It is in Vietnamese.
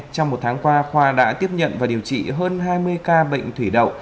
trong một tháng qua khoa đã tiếp nhận và điều trị hơn hai mươi ca bệnh thủy đậu